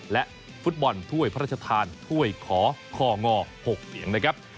และฟุตบอลถ้วยพระราชทานถ้วยขอคง๖เสียงนะครับ